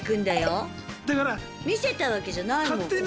見せたわけじゃないもん。